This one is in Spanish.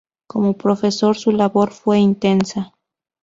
Como profesor, su labor fue intensa.